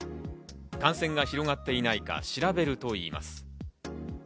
感染が広がっていないか調べるといいます。